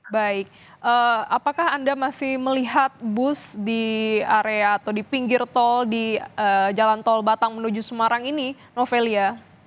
baik apakah anda masih melihat bus di area atau di pinggir tol di jalan tol batang menuju semarang ini novelia